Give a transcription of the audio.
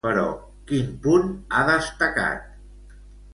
Però, quin punt ha destacat?